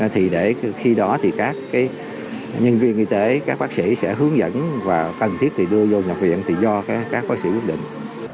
thì để khi đó thì các nhân viên y tế các bác sĩ sẽ hướng dẫn và cần thiết thì đưa vô nhập viện thì do các bác sĩ quyết định